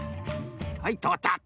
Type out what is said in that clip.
はいとおった。